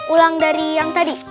ulang dari yang tadi